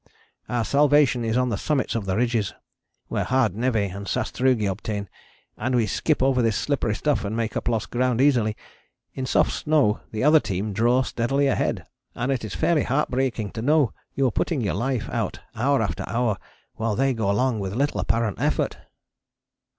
Our salvation is on the summits of the ridges, where hard névé and sastrugi obtain, and we skip over this slippery stuff and make up lost ground easily. In soft snow the other team draw steadily ahead, and it is fairly heart breaking to know you are putting your life out hour after hour while they go along with little apparent effort.